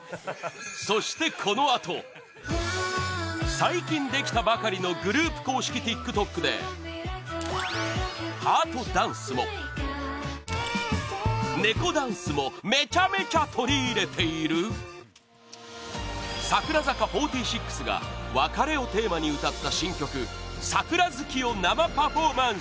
そして、このあと最近できたばかりのグループ公式ＴｉｋＴｏｋでハートダンスもネコダンスもめちゃめちゃ取り入れている櫻坂４６が別れをテーマに歌った新曲「桜月」を生パフォーマンス